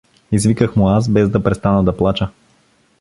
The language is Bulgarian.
Извиках му аз, без да престана да плача.